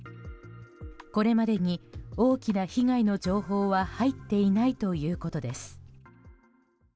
これまでに大きな被害の情報は入っていないということです。